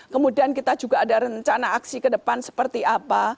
kemudian kita juga ada rencana aksi ke depan seperti apa